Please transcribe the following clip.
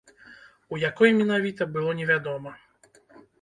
У якой менавіта, было невядома.